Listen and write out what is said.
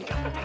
udah gue teng